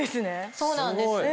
そうなんです。